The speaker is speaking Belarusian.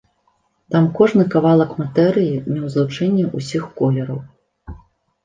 Там кожны кавалак матэрыі меў злучэнне ўсіх колераў.